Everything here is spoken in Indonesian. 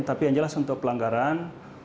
tapi yang jelas untuk pelanggaran